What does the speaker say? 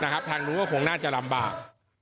ทางนู้นก็คงน่าจะลำบาก